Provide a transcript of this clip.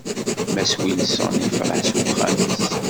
Mass Wilson yefṛeḥ s uxxam-is.